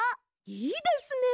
いいですね！